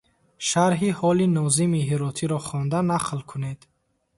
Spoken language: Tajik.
Шарҳи ҳоли Нозими Ҳиротиро хонда нақл кунед.